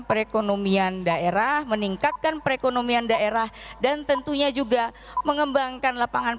perekonomian daerah meningkatkan perekonomian daerah dan tentunya juga mengembangkan lapangan